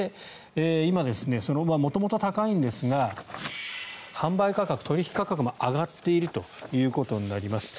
今、元々高いんですが販売価格取引価格も上がっているということになります。